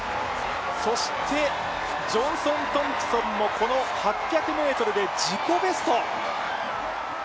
ジョンソン・トンプソンもこの８００ｍで自己ベスト。